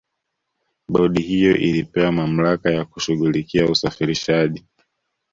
bodi hiyo ilipewa mamlaka ya kushughulikia usafirishaji